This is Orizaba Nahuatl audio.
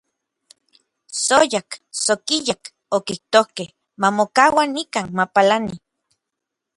“Tsojyak, tsokijyak”, okijtokej, “mamokaua nikan, mapalani”.